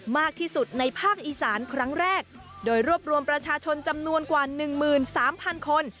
มากที่สุดในภาคอีสานครั้งแรกโดยรวบรวมประชาชนจำนวนกว่า๑๓๐๐คน